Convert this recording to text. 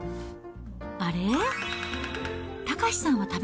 あれ？